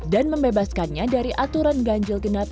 dan membebaskannya dari aturan ganjil genap